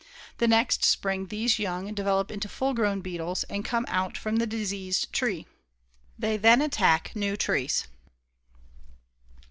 The next spring these young develop into full grown beetles, and come out from the diseased tree. They then attack new trees.